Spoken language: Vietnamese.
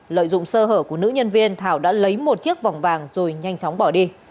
lợi dụng sơ hở của nữ nhân viên thảo đã lấy một chiếc vòng vàng rồi nhanh chóng bỏ đi